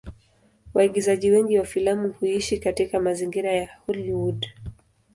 Waigizaji wengi wa filamu huishi katika mazingira ya Hollywood.